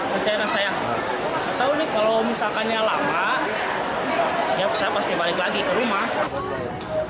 rencana saya kalau misalkannya lama ya saya pasti balik lagi ke rumah